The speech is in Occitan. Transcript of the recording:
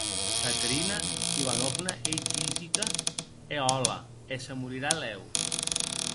Caterina Ivanovna ei tisica e lhòca, e se morirà lèu.